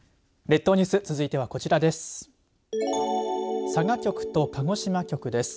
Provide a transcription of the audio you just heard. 列島ニュース続いてはこちらです。